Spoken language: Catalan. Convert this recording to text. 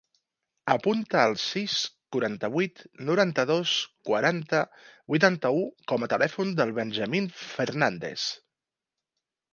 Apunta el sis, quaranta-vuit, noranta-dos, quaranta, vuitanta-u com a telèfon del Benjamín Fernandes.